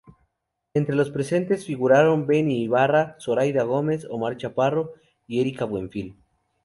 Entre los presentes figuraron Benny Ibarra, Zoraida Gómez, Omar Chaparro y Erika Buenfil.